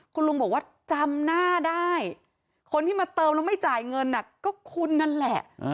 คุณลุงบอกว่าจำหน้าได้คนที่มาเติมแล้วไม่จ่ายเงินก็คุณนั่นแหละ